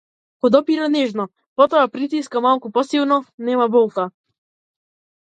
Го допира нежно, потоа притиска малку посилно, нема болка.